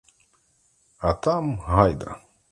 А там — гайда!